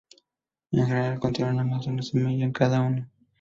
En general contiene más de una semilla en cada uno.